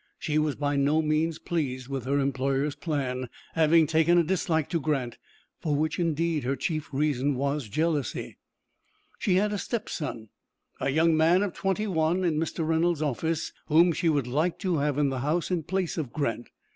She was by no means pleased with her employer's plan, having taken a dislike to Grant, for which, indeed, her chief reason was jealousy. She had a stepson, a young man of twenty one, in Mr. Reynolds' office, whom she would like to have in the house in place of Grant.